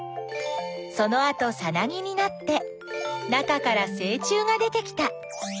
そのあとさなぎになって中からせい虫が出てきた。